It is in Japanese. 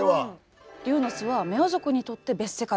「龍の巣」はミャオ族にとって別世界。